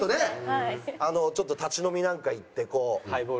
ちょっと立ち飲みなんか行ってこう。